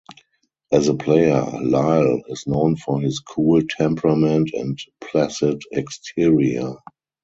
As a player, Lyle is known for his cool temperament and placid exterior.